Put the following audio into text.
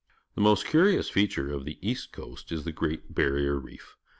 The most curious feature of the east coast is the Great Barrier R eef.